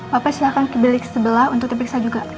bapa silakan kebeli ke sebelah untuk tepiksa juga